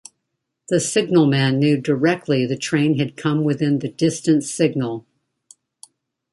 The signalman knew directly the train had come within the distant signal.